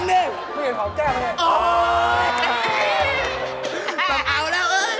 เหี่ยแฟนใหม่โฮคแจ้งเหรอ